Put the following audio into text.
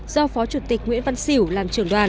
do phó chủ tịch nguyễn văn xỉu làm trưởng đoàn